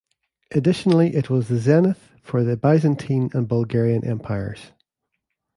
Additionally, it was the zenith for the Byzantine and Bulgarian Empires.